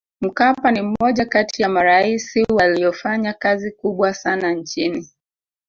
mkapa ni mmoja kati ya maraisi waliyofanya kazi kubwa sana nchini